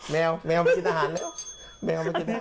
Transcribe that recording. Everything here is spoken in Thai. แมวมากินอาหารแล้ว